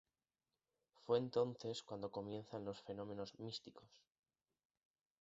Fue entonces cuando comienzan los fenómenos místicos.